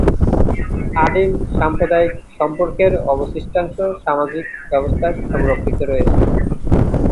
আদিম সাম্প্রদায়িক সম্পর্কের অবশিষ্টাংশ সামাজিক ব্যবস্থায় সংরক্ষিত রয়েছে।